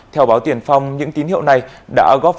theo báo tiền phòng những tín hiệu này đã bắt buộc các trường học